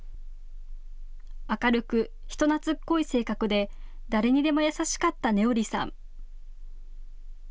明るく人なつっこい性格で誰にでも優しかった音織さん。